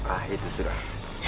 ah itu sudah